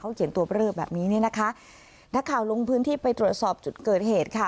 เขียนตัวเบลอแบบนี้เนี่ยนะคะนักข่าวลงพื้นที่ไปตรวจสอบจุดเกิดเหตุค่ะ